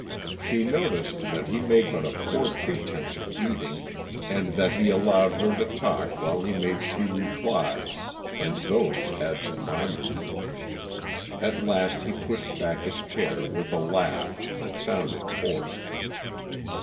She noticed that he made but a poor pretence of eating, and that he allowed her to talk while he made few replies, and those absent mindedly. At last he pushed back his chair with a laugh that sounded forced.